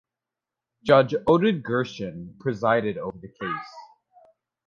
Judge Oded Gershon presided over the case.